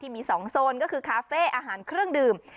มี๒โซนก็คือคาเฟ่อาหารเครื่องดื่ม